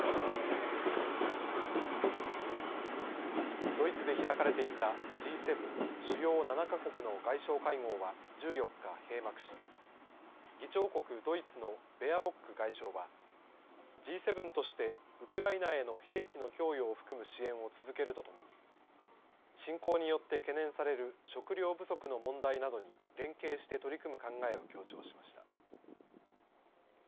次に、ドイツで開かれていたＧ７＝主要７か国の外相会合は１４日、閉幕し議長国ドイツのベアボック外相はＧ７としてウクライナへの兵器の供与を含む支援を続けるとともに侵攻によって懸念される食糧不足の問題などに連携して取り組む考えを強調しました。